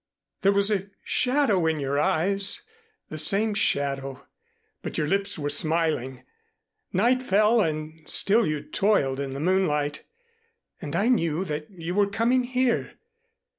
There was a shadow in your eyes, the same shadow, but your lips were smiling. Night fell and still you toiled in the moonlight, and I knew that you were coming here.